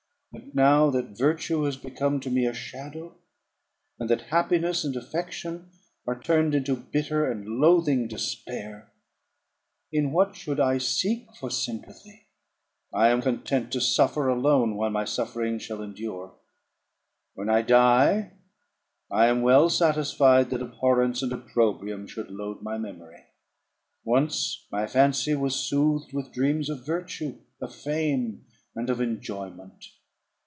But now, that virtue has become to me a shadow, and that happiness and affection are turned into bitter and loathing despair, in what should I seek for sympathy? I am content to suffer alone, while my sufferings shall endure: when I die, I am well satisfied that abhorrence and opprobrium should load my memory. Once my fancy was soothed with dreams of virtue, of fame, and of enjoyment.